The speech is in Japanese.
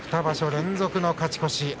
２場所連続の勝ち越し。